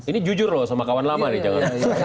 ini jujur loh sama kawan lama nih